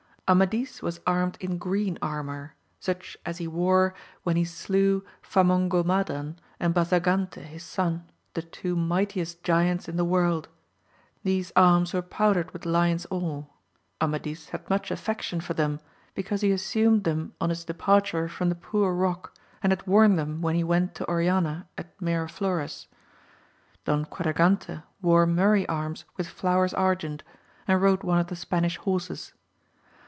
Amadis was armed in green armour, such as he wore when he slew Famongomadan and Basagante his son, the two mightiest giants in .the world ; these arms were powdered with lions or ; Amadis had much affec tion for them, because he assumed them on his de parture from the Poor Rock, and had worn them when he went to Oriana at Miraflores. Don Quadragante wore murrey arms with flowers argent, and rode one of the Spanish horses.